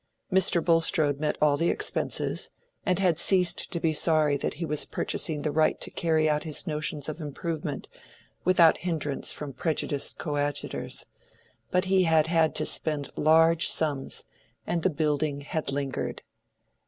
Mr. Bulstrode met all the expenses, and had ceased to be sorry that he was purchasing the right to carry out his notions of improvement without hindrance from prejudiced coadjutors; but he had had to spend large sums, and the building had lingered.